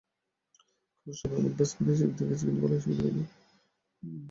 কারণ সবাই আমাকে ব্যাটসম্যান হিসেবেই দেখে, কিন্তু বোলার হিসেবেও আমার অবদান আছে।